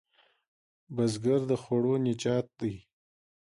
بزګر د خوړو نجات دی